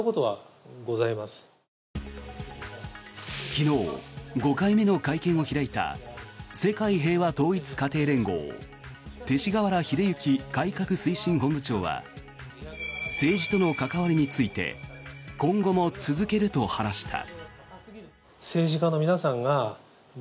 昨日、５回目の会見を開いた世界平和統一家庭連合勅使河原秀行改革推進本部長は政治との関わりについて今後も続けると話した。